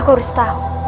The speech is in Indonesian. aku harus tahu